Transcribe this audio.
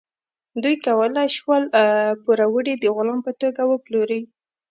دوی کولی شول پوروړی د غلام په توګه وپلوري.